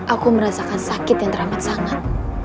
aku merasakan sakit yang teramat sangat